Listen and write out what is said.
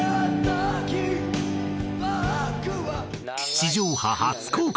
地上波初公開！